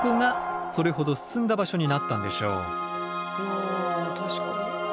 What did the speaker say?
あ確かに。